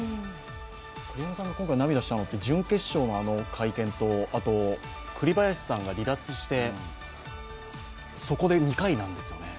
栗山さんが今回涙したのは準決勝の会見とあと栗林さんが離脱してそこで２回なんですよね。